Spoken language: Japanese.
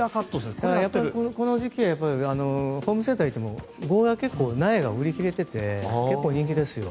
この時期はホームセンターに行ってもゴーヤ結構苗が売り切れていて結構人気ですよ。